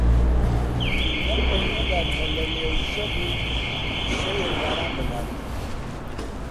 لەم بەینەدا کە لە لێوژە بووین، شەوێک باران دەباری